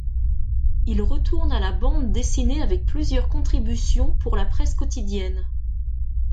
Il retourne à la bande dessinée avec plusieurs contributions pour la presse quotidienne.